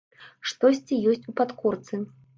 Штосьці ёсць у падкорцы.